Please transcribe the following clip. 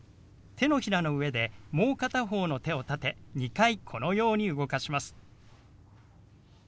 手のひらの上でもう片方の手を立て２回このように動かします。